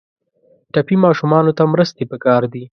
ټپي ماشومانو ته مرستې پکار دي.